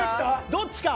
どっちか？